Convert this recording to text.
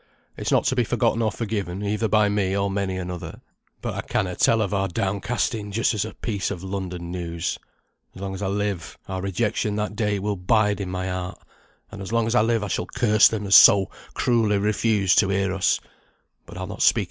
It's not to be forgotten or forgiven either by me or many another; but I canna tell of our down casting just as a piece of London news. As long as I live, our rejection that day will bide in my heart; and as long as I live I shall curse them as so cruelly refused to hear us; but I'll not speak of it no more."